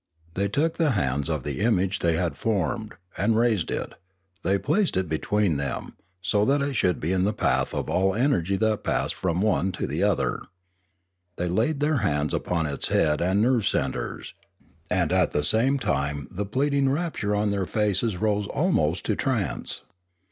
They took the hands of the image they had formed, and raised it; they placed it between them, so that it should be in the path of all energy that passed from one to the other. They laid their hands upon its head and nerve centres, and at the same time the pleading rapture on their faces rose almost to trance.